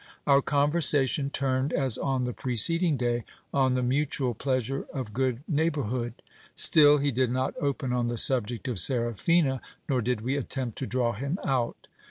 Our conversation turned, as on the preced ing day, on the mutual pleasure of good neighbourhood. Still he did not open on the subject of Seraphina, nor did we attempt to draw him out.